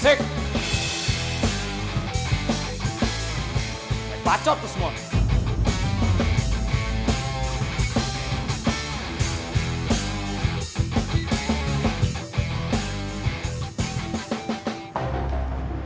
sampai jumpa di video selanjutnya